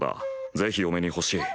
ぜひ嫁に欲しい。